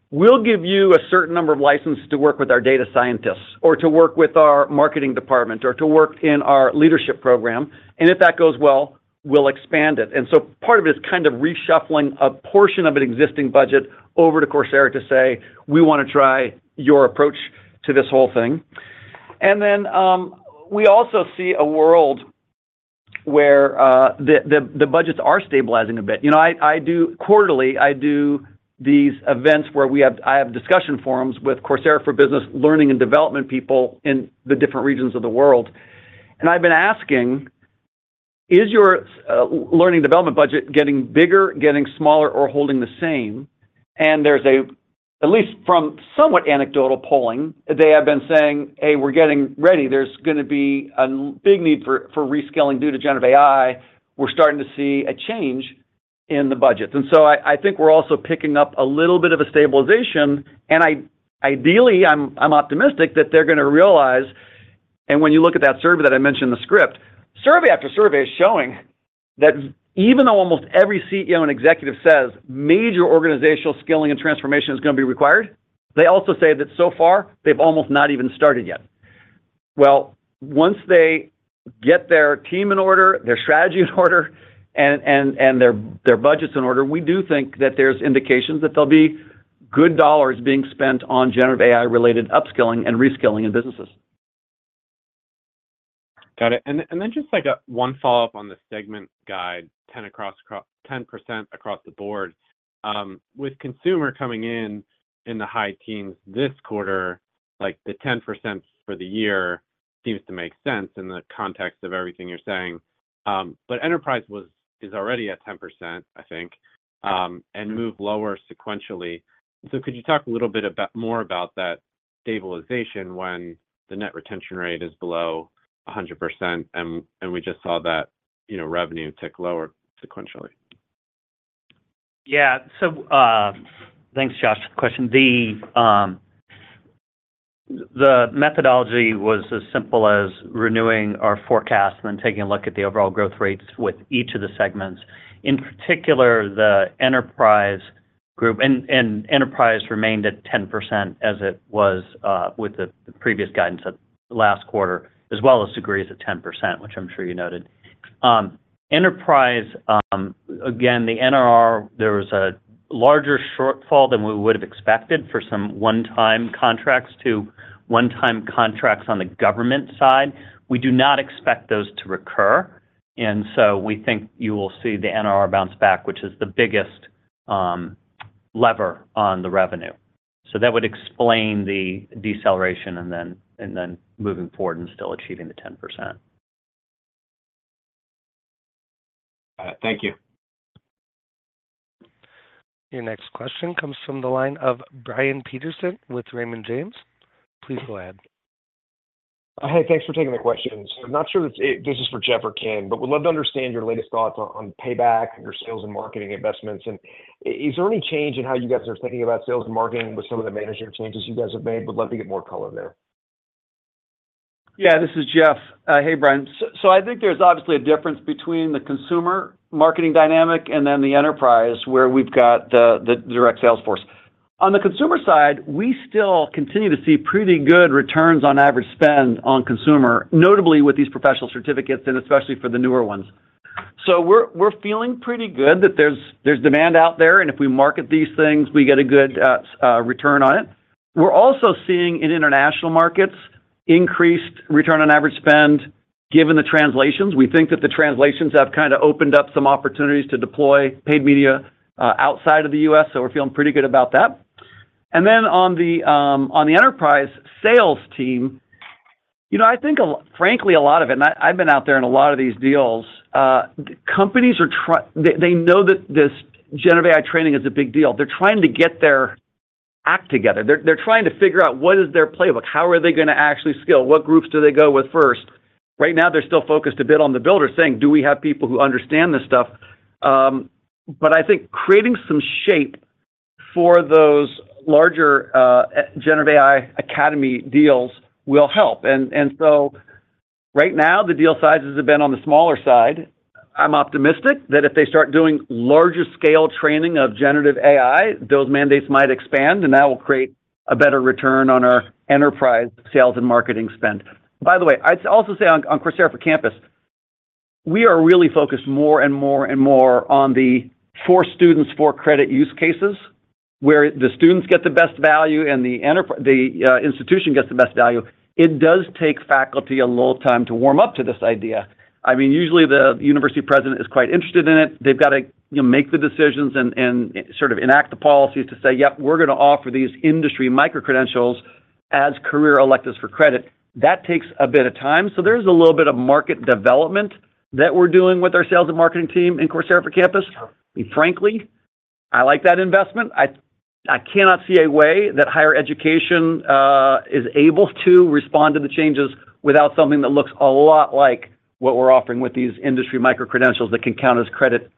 we'll give you a certain number of licenses to work with our data scientists, or to work with our marketing department, or to work in our leadership program, and if that goes well, we'll expand it." And so part of it is kind of reshuffling a portion of an existing budget over to Coursera to say, "We wanna try your approach to this whole thing." And then we also see a world where the budgets are stabilizing a bit. You know, I do quarterly, I do these events where I have discussion forums with Coursera for Business learning and development people in the different regions of the world. And I've been asking: Is your learning development budget getting bigger, getting smaller, or holding the same? And there's at least from somewhat anecdotal polling, they have been saying, "Hey, we're getting ready. There's gonna be a big need for reskilling due to generative AI. We're starting to see a change in the budgets." And so I think we're also picking up a little bit of a stabilization, and ideally, I'm optimistic that they're gonna realize... When you look at that survey that I mentioned in the script, survey after survey is showing that even though almost every CEO and executive says major organizational skilling and transformation is gonna be required, they also say that so far, they've almost not even started yet. Well, once they get their team in order, their strategy in order, and their budgets in order, we do think that there's indications that there'll be good dollars being spent on generative AI-related upskilling and reskilling in businesses. Got it. And then just, like, one follow-up on the segment guide, 10% across the board. With consumer coming in in the high teens this quarter, like, the 10% for the year seems to make sense in the context of everything you're saying. But enterprise is already at 10%, I think, and moved lower sequentially. So could you talk a little bit more about that stabilization when the net retention rate is below 100%, and we just saw that, you know, revenue tick lower sequentially? Yeah. So, thanks, Josh, for the question. The, the methodology was as simple as renewing our forecast and then taking a look at the overall growth rates with each of the segments. In particular, the enterprise group. And, enterprise remained at 10%, as it was, with the, the previous guidance at last quarter, as well as degrees at 10%, which I'm sure you noted. Enterprise, again, the NRR, there was a larger shortfall than we would have expected for some one-time contracts to one-time contracts on the government side. We do not expect those to recur, and so we think you will see the NRR bounce back, which is the biggest, lever on the revenue. So that would explain the deceleration and then, and then moving forward and still achieving the 10%. Got it. Thank you. Your next question comes from the line of Brian Peterson with Raymond James. Please go ahead. Hi, thanks for taking the questions. I'm not sure if this is for Jeff or Ken, but would love to understand your latest thoughts on payback, your sales and marketing investments. And is there any change in how you guys are thinking about sales and marketing with some of the management changes you guys have made? Would love to get more color there. Yeah, this is Jeff. Hey, Brian. So, so I think there's obviously a difference between the consumer marketing dynamic and then the enterprise, where we've got the, the direct sales force. On the consumer side, we still continue to see pretty good returns on average spend on consumer, notably with these professional certificates, and especially for the newer ones. So we're, we're feeling pretty good that there's, there's demand out there, and if we market these things, we get a good return on it. We're also seeing in international markets, increased return on average spend, given the translations. We think that the translations have kinda opened up some opportunities to deploy paid media outside of the US, so we're feeling pretty good about that. And then on the enterprise sales team, you know, I think frankly, a lot of it, and I, I've been out there in a lot of these deals. Companies are. They know that this generative AI training is a big deal. They're trying to get their act together. They're trying to figure out what is their playbook, how are they gonna actually scale, what groups do they go with first. Right now, they're still focused a bit on the builder, saying: Do we have people who understand this stuff? But I think creating some shape for those larger Generative AI Academy deals will help. And so right now, the deal sizes have been on the smaller side. I'm optimistic that if they start doing larger scale training of generative AI, those mandates might expand, and that will create a better return on our enterprise sales and marketing spend. By the way, I'd also say on, on Coursera for Campus, we are really focused more and more and more on the for students, for-credit use cases, where the students get the best value and the institution gets the best value. It does take faculty a little time to warm up to this idea. I mean, usually, the university president is quite interested in it. They've got to, you know, make the decisions and sort of enact the policies to say, "Yep, we're gonna offer these industry micro-credentials as career electives for credit." That takes a bit of time, so there's a little bit of market development that we're doing with our sales and marketing team in Coursera for Campus. And frankly, I like that investment. I cannot see a way that higher education is able to respond to the changes without something that looks a lot like what we're offering with these industry micro-credentials that can count as credit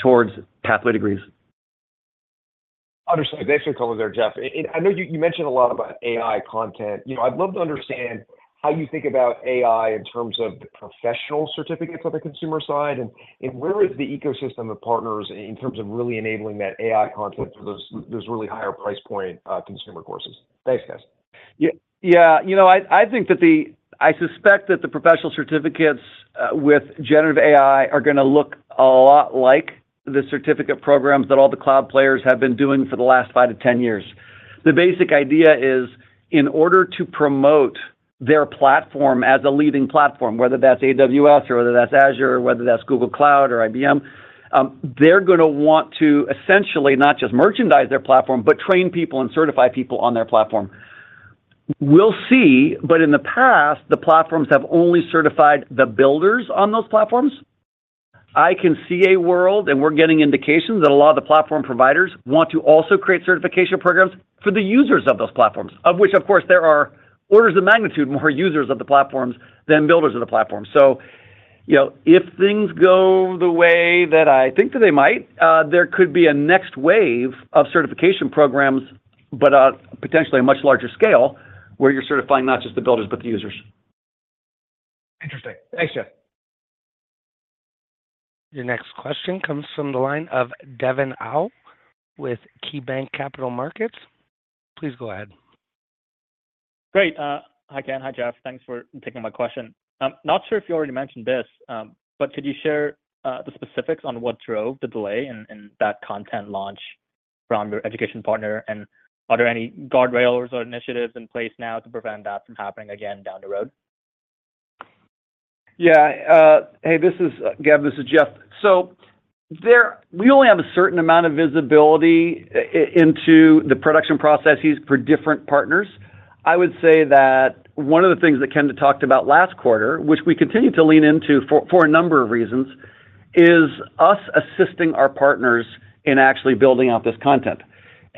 towards pathway degrees. Understood. Thanks for the color there, Jeff. And I know you, you mentioned a lot about AI content. You know, I'd love to understand how you think about AI in terms of the professional certificates on the consumer side, and where is the ecosystem of partners in terms of really enabling that AI content for those, those really higher price point consumer courses? Thanks, guys. Yeah, yeah. You know, I, I think that the—I suspect that the professional certificates with generative AI are going to look a lot like the certificate programs that all the cloud players have been doing for the last 5-10 years. The basic idea is, in order to promote their platform as a leading platform, whether that's AWS or whether that's Azure, or whether that's Google Cloud or IBM, they're going to want to essentially not just merchandise their platform, but train people and certify people on their platform. We'll see, but in the past, the platforms have only certified the builders on those platforms. I can see a world, and we're getting indications, that a lot of the platform providers want to also create certification programs for the users of those platforms, of which, of course, there are orders of magnitude more users of the platforms than builders of the platform. So, you know, if things go the way that I think that they might, there could be a next wave of certification programs, but a potentially a much larger scale, where you're certifying not just the builders, but the users. Interesting. Thanks, Jeff. Your next question comes from the line of Devin Au with KeyBanc Capital Markets. Please go ahead. Great. Hi, Ken. Hi, Jeff. Thanks for taking my question. Not sure if you already mentioned this, but could you share the specifics on what drove the delay in that content launch from your education partner? And are there any guardrails or initiatives in place now to prevent that from happening again down the road? Yeah. Hey, this is Devin, this is Jeff. So we only have a certain amount of visibility into the production processes for different partners. I would say that one of the things that Ken talked about last quarter, which we continue to lean into for a number of reasons, is us assisting our partners in actually building out this content.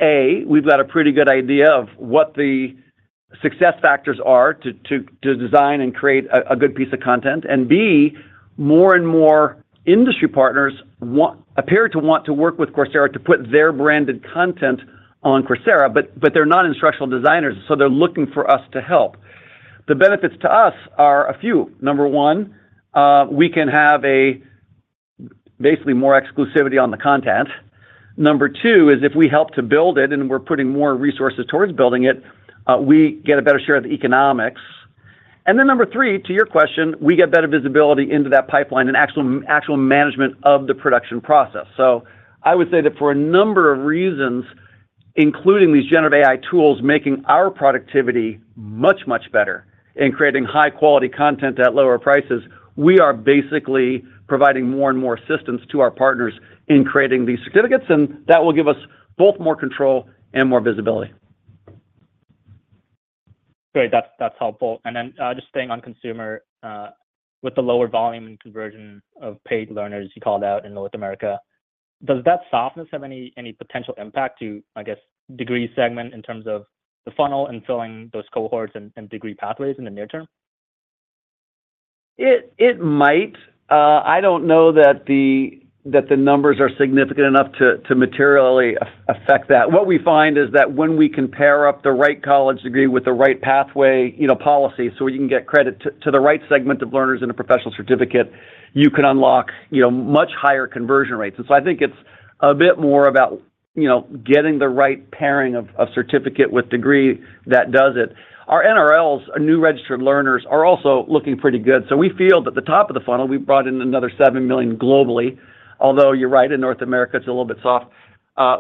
A, we've got a pretty good idea of what the success factors are to design and create a good piece of content. And B, more and more industry partners want, appear to want to work with Coursera to put their branded content on Coursera, but they're not instructional designers, so they're looking for us to help. The benefits to us are a few. Number one, we can have basically more exclusivity on the content. Number two is if we help to build it and we're putting more resources towards building it, we get a better share of the economics. And then number three, to your question, we get better visibility into that pipeline and actual, actual management of the production process. So I would say that for a number of reasons, including these generative AI tools, making our productivity much, much better in creating high-quality content at lower prices, we are basically providing more and more assistance to our partners in creating these certificates, and that will give us both more control and more visibility. Great. That's, that's helpful. And then, just staying on consumer, with the lower volume and conversion of paid learners you called out in North America, does that softness have any, any potential impact to, I guess, degree segment in terms of the funnel and filling those cohorts and, and degree pathways in the near term? It might. I don't know that the numbers are significant enough to materially affect that. What we find is that when we can pair up the right college degree with the right pathway, you know, policy, so we can get credit to the right segment of learners in a professional certificate, you can unlock, you know, much higher conversion rates. And so I think it's a bit more about, you know, getting the right pairing of certificate with degree that does it. Our NRLs, our new registered learners, are also looking pretty good. So we feel that the top of the funnel, we've brought in another 7 million globally, although you're right, in North America, it's a little bit soft.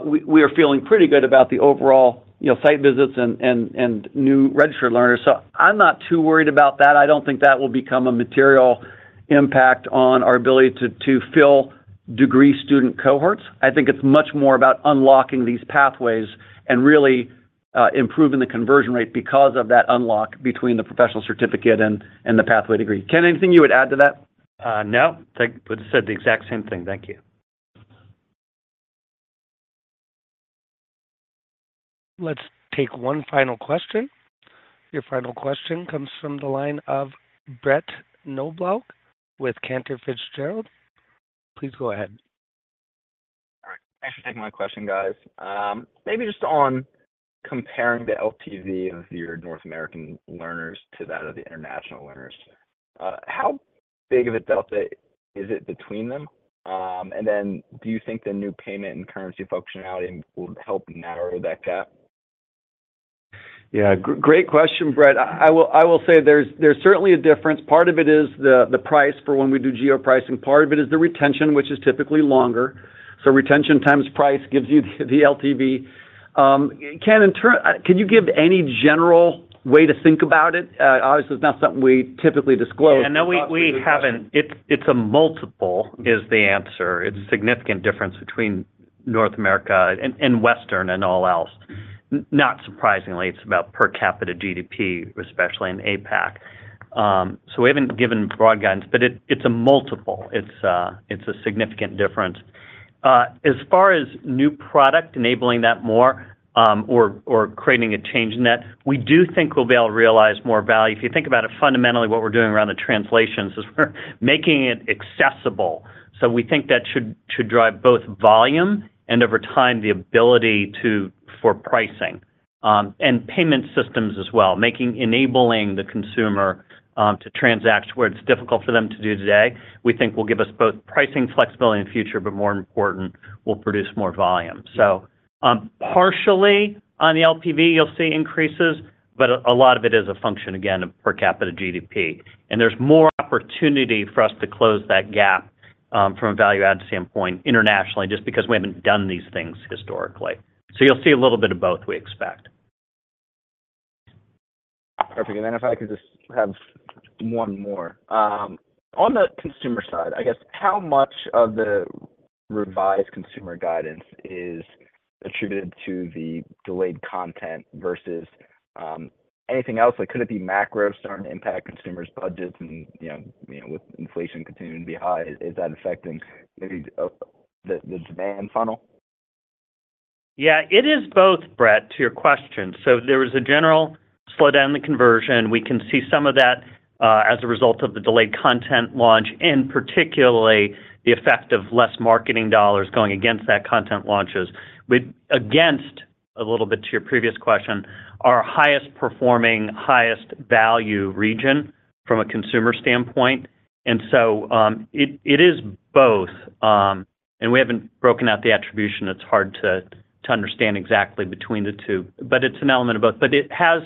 We are feeling pretty good about the overall, you know, site visits and new registered learners. So I'm not too worried about that. I don't think that will become a material impact on our ability to, to fill degree student cohorts. I think it's much more about unlocking these pathways and really, improving the conversion rate because of that unlock between the professional certificate and, and the pathway degree. Ken, anything you would add to that? No. Would've said the exact same thing. Thank you. Let's take one final question. Your final question comes from the line of Brett Knoblauch with Cantor Fitzgerald. Please go ahead. All right. Thanks for taking my question, guys. Maybe just on comparing the LTV of your North American learners to that of the international learners. How big of a delta is it between them? And then do you think the new payment and currency functionality will help narrow that gap? Yeah, great question, Brett. I will say there's certainly a difference. Part of it is the price for when we do geo-pricing. Part of it is the retention, which is typically longer. So retention times price gives you the LTV. Ken, can you give any general way to think about it? Obviously, it's not something we typically disclose. No, we haven't. It's a multiple, is the answer. It's a significant difference between North America and Western and all else. Not surprisingly, it's about per capita GDP, especially in APAC. So we haven't given broad guidance, but it's a multiple. It's a significant difference. As far as new product enabling that more, or creating a change in that, we do think we'll be able to realize more value. If you think about it, fundamentally, what we're doing around the translations is we're making it accessible. So we think that should drive both volume and, over time, the ability to for pricing and payment systems as well. Enabling the consumer to transact where it's difficult for them to do today, we think will give us both pricing flexibility in the future, but more important, will produce more volume. Partially on the LTV, you'll see increases, but a lot of it is a function, again, of per capita GDP. And there's more opportunity for us to close that gap, from a value add standpoint internationally, just because we haven't done these things historically. So you'll see a little bit of both, we expect. Perfect. And then if I could just have one more. On the consumer side, I guess, how much of the revised consumer guidance is attributed to the delayed content versus anything else? Like, could it be macro starting to impact consumers' budgets and, you know, you know, with inflation continuing to be high, is that affecting maybe the demand funnel? Yeah, it is both, Brett, to your question. So there was a general slowdown in the conversion. We can see some of that as a result of the delayed content launch, and particularly the effect of less marketing dollars going against that content launches. With against a little bit to your previous question, our highest performing, highest value region from a consumer standpoint. And so, it is both. And we haven't broken out the attribution. It's hard to understand exactly between the two, but it's an element of both. But it has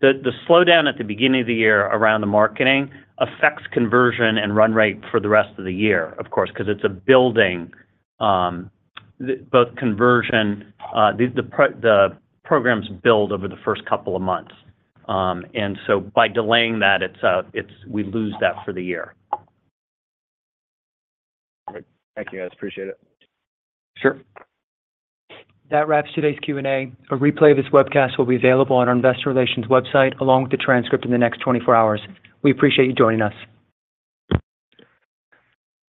the slowdown at the beginning of the year around the marketing affects conversion and run rate for the rest of the year, of course, 'cause it's a building, both conversion, the programs build over the first couple of months. By delaying that, it's we lose that for the year. All right. Thank you, guys. Appreciate it. Sure. That wraps today's Q&A. A replay of this webcast will be available on our investor relations website, along with the transcript in the next 24 hours. We appreciate you joining us.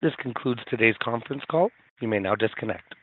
This concludes today's conference call. You may now disconnect.